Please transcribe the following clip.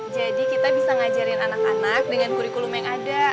jadi kita bisa ngajarin anak anak dengan kurikulum yang ada